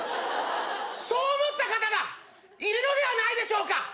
そう思った方がいるのではないでしょうか？